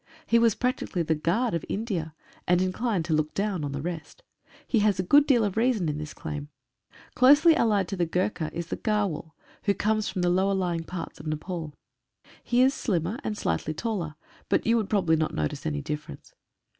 He was practically the Guard of India, and inclined to look down on the rest. He has a good deal of reason in his claim. Closely allied to the Gurkha is the Gahrwal, who comes from the lower lying parts of Nepaul. He is slimmer, and slightly taller, but you would probably not notice any difference.